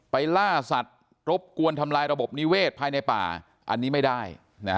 ล่าสัตว์รบกวนทำลายระบบนิเวศภายในป่าอันนี้ไม่ได้